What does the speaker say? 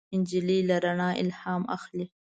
نجلۍ له رڼا الهام اخلي.